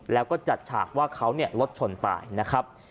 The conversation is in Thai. แล้วก็จัดฉากว่าเขารถชนตายนะครับ